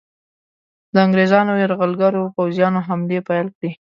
د انګریزانو یرغلګرو پوځیانو حملې پیل کړې.